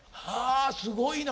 すごいな。